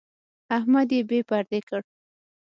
احمد يې بې پردې کړ.